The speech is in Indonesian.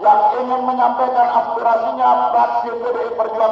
yang ingin menyampaikan aspirasinya praksi bdi perjuangan